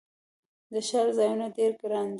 د ښار ځایونه ډیر ګراندي